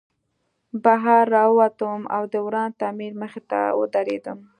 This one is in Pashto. بهر راووتم او د وران تعمیر مخې ته ودرېدم